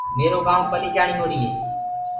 ميرو گآئونٚ پليچاڻي موري هي۔